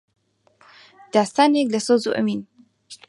داستانێک لە سۆز و ئەوین